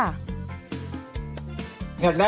ไม่ได้หรอเอาลองดิ